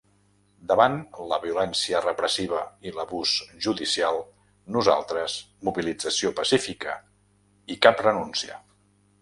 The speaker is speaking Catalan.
Davant la violència repressiva i l'abús judicial, nosaltres, mobilització pacífica i cap renúncia.